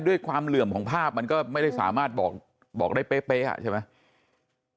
ด้วยความเหลื่อมของภาพมันก็ไม่ได้สามารถบอกได้เป๊ะใช่ไหม